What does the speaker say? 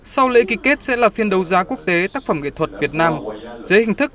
sau lễ ký kết sẽ là phiên đấu giá quốc tế tác phẩm nghệ thuật việt nam dưới hình thức